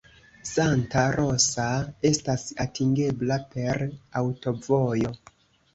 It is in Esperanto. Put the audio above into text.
Santa Rosa estas atingebla per aŭtovojo.